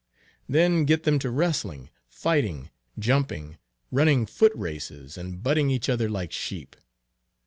Then get them to wrestling, fighting, jumping, running foot races, and butting each other like sheep.